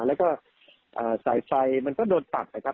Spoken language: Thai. แล้วก็ใสมันก็โดนตัด